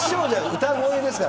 歌声ですから。